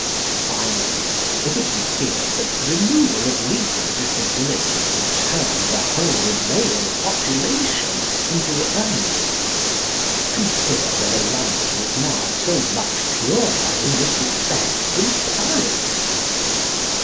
Finally, if it be feared that the removal of legal disabilities would turn the whole male population into Urnings, consider whether London is now so much purer in this respect than Paris?